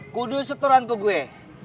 kudu setoran ke gue